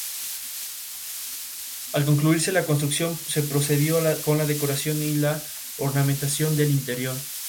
Al concluirse la construcción, se procedió con la decoración y la ornamentación del interior.